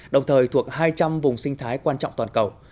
đồng thời thuộc hai trăm linh vùng sinh thái quan trọng toàn cầu